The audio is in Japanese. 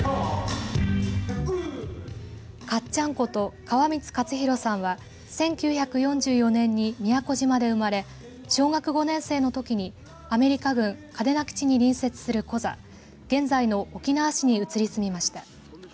かっちゃんこと川満勝弘さんは１９４４年に宮古島で生まれ小学５年生のときにアメリカ軍嘉手納基地に隣接するコザ現在の沖縄市に移り住みました。